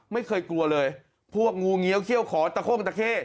ไม่เคยกลัวเลยพวกงูเงี้ยวเขี้ยวขอตะโค้งตะเข้